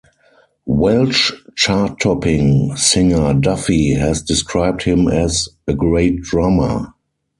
Welsh chart-topping singer Duffy has described him as 'a great drummer'.